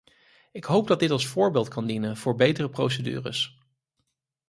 Ik hoop dat dit als voorbeeld kan dienen voor betere procedures.